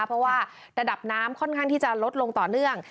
เพราะว่าระดับน้ำค่อนข้างที่จะลดลงต่อเนื่อง